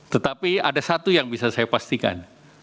tetapi ada satu yang bisa saya pastikan